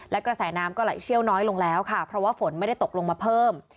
และกระแสน้ำก็ไหลเชี่ยวน้อยลงแล้วค่ะเพราะว่าฝนไม่ได้ตกลงมาเพิ่ม